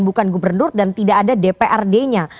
dan bukan gubernur dan tidak ada dprd nya